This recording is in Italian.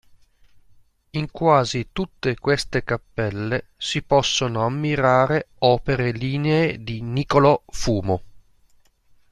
In quasi tutte queste cappelle si possono ammirare opere lignee di Niccolò Fumo.